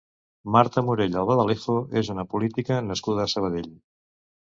Marta Morell Albaladejo és una política nascuda a Sabadell.